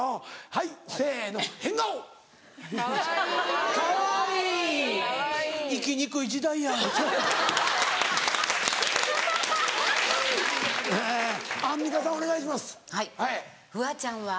はいフワちゃんは。